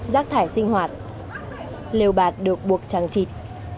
giác thải sinh hoạt liều bạt được buộc trăng trịt